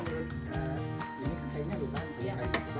iya ini untuk kayunya